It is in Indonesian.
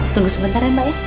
tunggu sebentar ya mbak